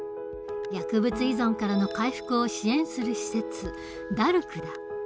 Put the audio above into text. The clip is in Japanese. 薬物依存からの回復を支援する施設ＤＡＲＣだ。